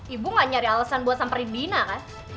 ibu gak nyari alasan buat samperin dina kak